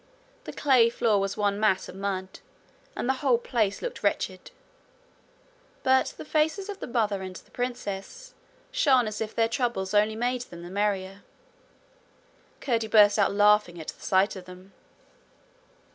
The clay floor was one mass of mud, and the whole place looked wretched. But the faces of the mother and the princess shone as if their troubles only made them the merrier. Curdie burst out laughing at the sight of them.